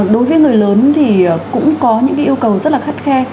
đối với người lớn thì cũng có những cái yêu cầu rất là khắt khe